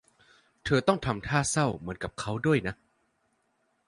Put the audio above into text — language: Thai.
เธอต้องทำท่าเศร้าเหมือนกับเค้าด้วยนะ